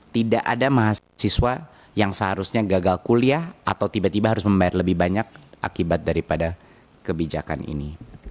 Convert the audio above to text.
tidak ada mahasiswa yang seharusnya gagal kuliah atau tiba tiba harus membayar lebih banyak akibat daripada kebijakan ini